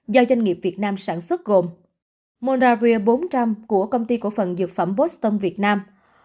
do doanh nghiệp việt nam sản xuất gồm monravir bốn trăm linh của công ty cổ phần dược phẩm botston việt nam